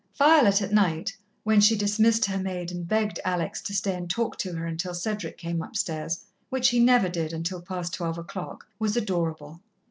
Violet at night, when she dismissed her maid and begged Alex to stay and talk to her until Cedric came upstairs, which he never did until past twelve o'clock, was adorable.